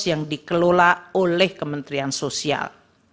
yang dikelola oleh kementerian sosial